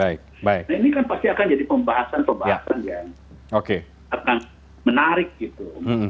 nah ini kan pasti akan jadi pembahasan pembahasan yang akan menarik gitu